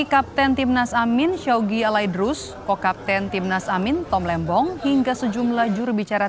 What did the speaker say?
kapten timnas amin showgi alaidrus kok kapten timnas amin tom lembong hingga sejumlah jurubicara